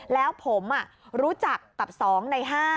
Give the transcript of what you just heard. แล้วผมรู้จักกับ๒ใน๕